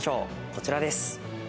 こちらです。